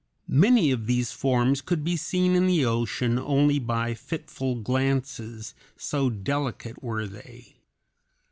Many of these forms could be seen in the ocean only by fitful glances, so delicate were they.